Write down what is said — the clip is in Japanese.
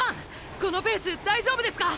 このペース大丈夫ですか